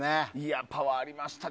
パワーがありましたね。